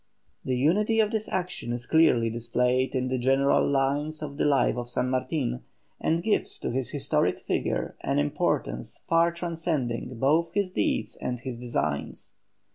The unity of this action is clearly displayed in the general lines of the life of San Martin, and gives to his historic figure an importance far transcending both his deeds and his designs.